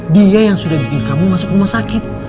dia yang sudah bikin kamu masuk rumah sakit